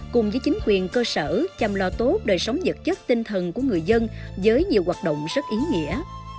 cùng với chính quyền cơ sở chăm lo tốt đời sống vật chất tinh thần của người dân với nhiều hoạt động rất ý nghĩa